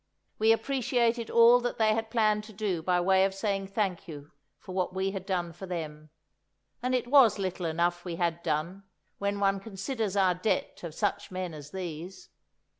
We appreciated all that they had planned to do by way of saying thank you for what we had done for them—and it was little enough we had done, when one considers our debt to such men as these!